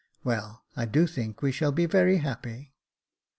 Well, I do think we shall be very happy."